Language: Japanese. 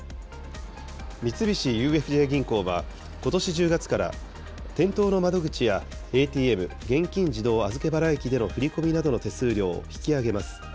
三菱ＵＦＪ銀行は、ことし１０月から店頭の窓口やＡＴＭ・現金自動預け払い機での振り込みなどの手数料を引き上げます。